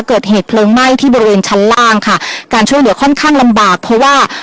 เกิดเหตุเพลิงไหม้ที่บริเวณชั้นล่างค่ะการช่วยเหลือค่อนข้างลำบากเพราะว่า